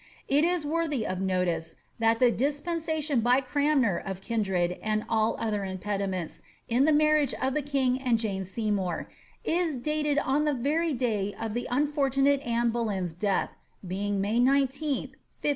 It is worthy of notice, that the dispensation by Cranmer of kindred and all other impediments in the marriage of the king and Jane Seymour, is dated on the very day of the unfortunate Anne Boleyn's death, being May 19th, 1536.